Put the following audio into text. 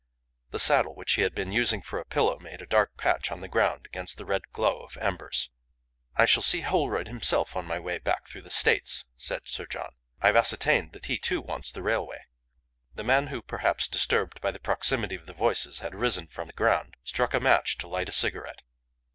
The saddle which he had been using for a pillow made a dark patch on the ground against the red glow of embers. "I shall see Holroyd himself on my way back through the States," said Sir John. "I've ascertained that he, too, wants the railway." The man who, perhaps disturbed by the proximity of the voices, had arisen from the ground, struck a match to light a cigarette.